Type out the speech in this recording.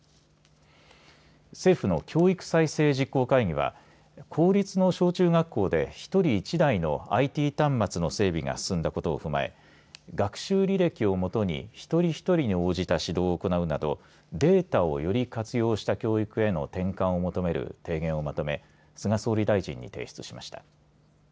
政府は教育再生実行会議は公立の小中学校で１人１台のＩＴ端末の整備が進んだことを踏まえ学習履歴をもとに一人一人に応じた指導を行うなどデータをより活用した教育への転換を求める提言をまとめ菅総理大臣に提出しました。